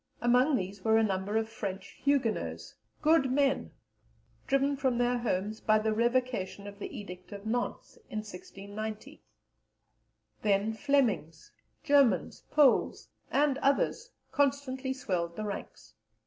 Among these were a number of French Huguenots, good men, driven from their homes by the revocation of the Edict of Nantes in 1690. Then Flemings, Germans, Poles, and others constantly swelled the ranks.